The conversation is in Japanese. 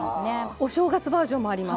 お正月バージョンもあります。